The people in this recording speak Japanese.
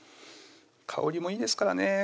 香りもいいですからね